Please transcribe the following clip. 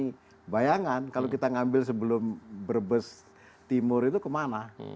kayaknya itu kebayangan kalau kita ngambil sebelum brebes timur itu kemana